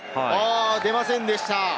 出ませんでした。